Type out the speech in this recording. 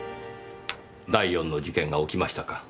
第４の事件が起きましたか。